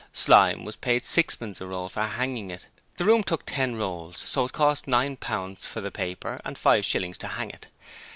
Slyme was paid sixpence a roll for hanging it: the room took ten rolls, so it cost nine pounds for the paper and five shillings to hang it!